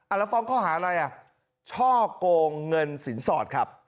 แล้วฟ้องข้อหาอะไรอ่ะช่อกงเงินสินสอดครับ